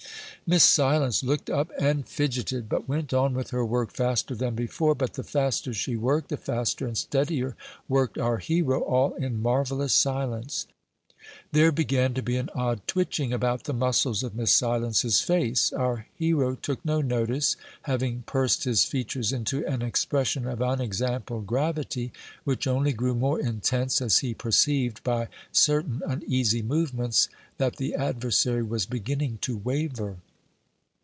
Miss Silence looked up and fidgeted, but went on with her work faster than before; but the faster she worked, the faster and steadier worked our hero, all in "marvellous silence." There began to be an odd twitching about the muscles of Miss Silence's face; our hero took no notice, having pursed his features into an expression of unexampled gravity, which only grew more intense as he perceived, by certain uneasy movements, that the adversary was beginning to waver.